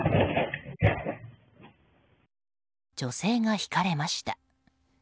女性がひかれました。